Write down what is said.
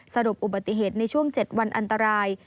สรุปอุบัติเหตุในช่วง๗วันอันตราย